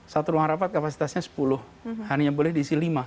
satu ruang rapat kapasitasnya sepuluh hanya boleh diisi lima